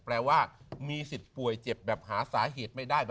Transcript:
แปลว่ามีสิทธิ์ป่วยเจ็บแบบหาสาเหตุไม่ได้